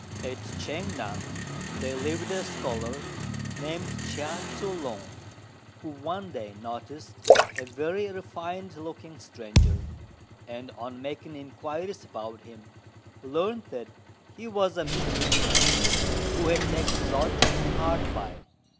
At Ch'ang ngan there lived a scholar named Chia Tzŭ lung, who one day noticed a very refined looking stranger; and, on making inquiries about him, learnt that he was a Mr. Chên, who had taken lodgings hard by.